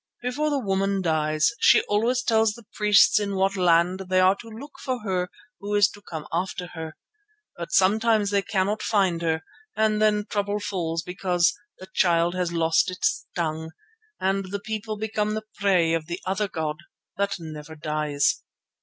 Before the woman dies she always tells the priests in what land they are to look for her who is to come after her; but sometimes they cannot find her and then trouble falls because 'the Child has lost its tongue,' and the people become the prey of the other god that never dies."